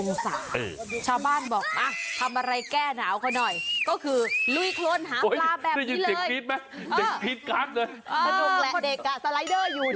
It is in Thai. มันลงแหละเด็กอะสไลด์เดอร์อยู่ที่จะรู้